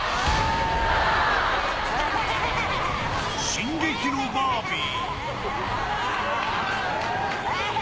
進撃のバービー。